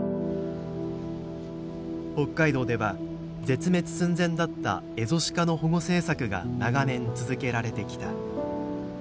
北海道では絶滅寸前だったエゾシカの保護政策が長年続けられてきた。